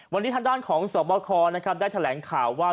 วันนี้ทางด้านของสวบคได้แถลงข่าวว่า